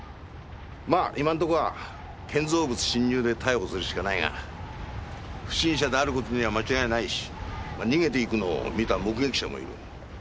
まあ今んとこは建造物侵入で逮捕するしかないが不審者である事には間違いないし逃げていくのを見た目撃者もいる。